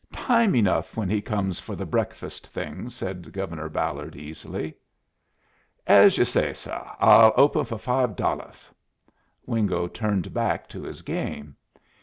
"Time enough when he comes for the breakfast things," said Governor Ballard, easily. "As you say, suh. I'll open for five dolluhs." Wingo turned back to his game.